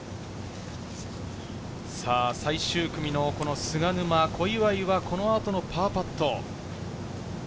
最終組の菅沼、小祝はこの後のパーパット。